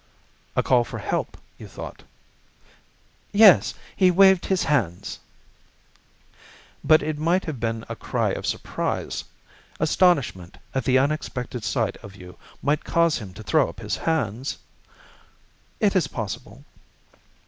"A call for help, you thought?" "Yes. He waved his hands." "But it might have been a cry of surprise. Astonishment at the unexpected sight of you might cause him to throw up his hands?" "It is possible."